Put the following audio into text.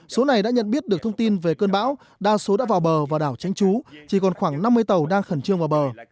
số này đã nhận biết được thông tin về cơn bão đa số đã vào bờ và đảo tránh trú chỉ còn khoảng năm mươi tàu đang khẩn trương vào bờ